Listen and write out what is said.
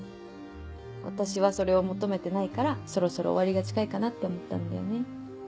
私はそれを求めてないからそろそろ終わりが近いかなって思ったんだよね。